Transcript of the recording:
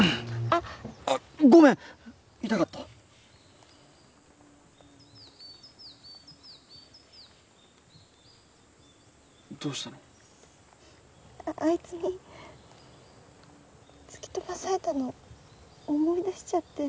あいつに突き飛ばされたの思い出しちゃって。